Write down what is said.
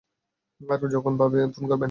আর যখন পাবেন, ফোন করবেন।